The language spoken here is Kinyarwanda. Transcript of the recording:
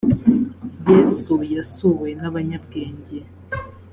yesu yasuwe n’abanyabwenge